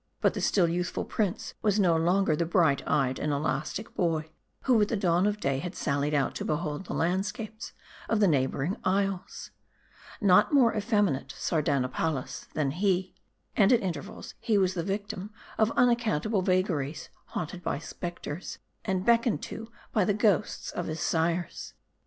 But the still youthful prince was no longer the bright eyed and elastic boy who at the dawn of day had sallied out to behold the landscapes of the neighboring isles. Not more effeminate Sardanapalus, than he. And, at intervals, he was the victim of unaccountable vagaries ; haunted by specters, and beckoned to by the ghosts of his sires.